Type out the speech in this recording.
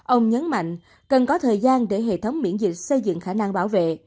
ông nhấn mạnh cần có thời gian để hệ thống miễn dịch xây dựng khả năng bảo vệ